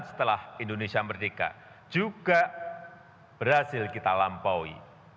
setelah indonesia merdeka juga berhasil kita lampaui